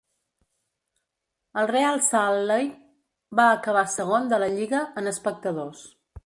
El Real Salt Lake va acabar segon de la lliga en espectadors.